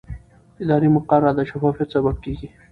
اداري مقررات د شفافیت سبب کېږي.